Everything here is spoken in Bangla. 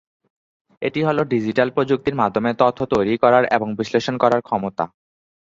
এটি হল ডিজিটাল প্রযুক্তির মাধ্যমে তথ্য তৈরী করার এবং বিশ্লেষন করার ক্ষমতা।